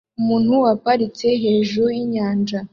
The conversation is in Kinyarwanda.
Umuntu waparitse hejuru yinyanja